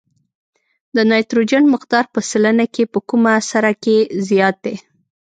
د نایتروجن مقدار په سلنه کې په کومه سره کې زیات دی؟